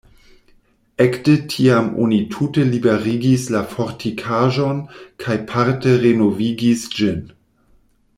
Ekde tiam oni tute liberigis la fortikaĵon kaj parte renovigis ĝin.